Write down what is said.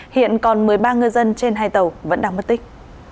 hiện còn một mươi ba ngư dân trên hai tàu vẫn đang mất tích